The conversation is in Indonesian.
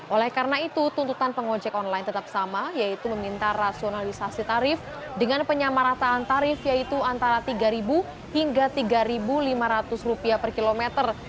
oleh karena itu tuntutan pengojek online tetap sama yaitu meminta rasionalisasi tarif dengan penyamarataan tarif yaitu antara rp tiga hingga rp tiga lima ratus per kilometer